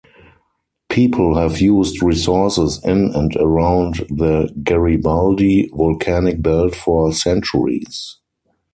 People have used resources in and around the Garibaldi Volcanic Belt for centuries.